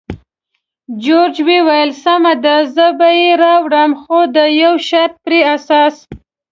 جورج وویل: سمه ده، زه به یې راوړم، خو د یو شرط پر اساس.